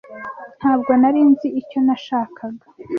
Ntabwo nari nzi icyo nashakaga.